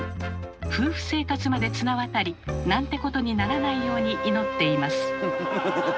夫婦生活まで綱渡りなんてことにならないように祈っています。